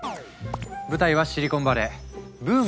舞台はシリコンバレー。